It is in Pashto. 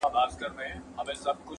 مگر گوره یولوی ځوز دی زما په پښه کی -